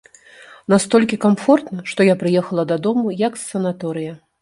Настолькі камфортна, што я прыехала дадому, як з санаторыя.